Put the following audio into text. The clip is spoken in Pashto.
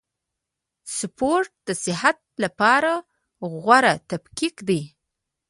سپورټ د صحت له پاره غوره تفکیک دئ.